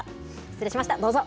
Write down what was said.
失礼しました。